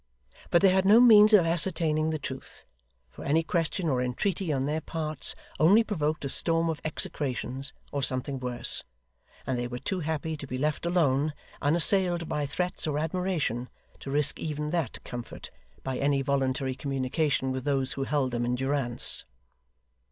But they had no means of ascertaining the truth: for any question or entreaty on their parts only provoked a storm of execrations, or something worse; and they were too happy to be left alone, unassailed by threats or admiration, to risk even that comfort, by any voluntary communication with those who held them in durance.